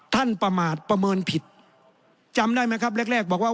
ประมาทประเมินผิดจำได้ไหมครับแรกแรกบอกว่า